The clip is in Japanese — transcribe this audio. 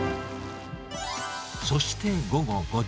そして午後５時。